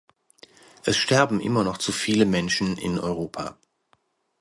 Es sterben immer noch zu viele Menschen in Europa.